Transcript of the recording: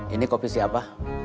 ini kopi siapa